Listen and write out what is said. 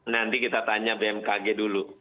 nanti kita tanya bmkg dulu